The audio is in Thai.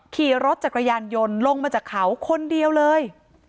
ขี่รถจักรยานยนต์ลงมาจากเขาคนเดียวเลย